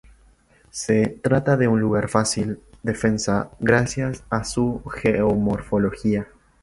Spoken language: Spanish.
Se trata de un lugar de fácil defensa gracias a su geomorfología.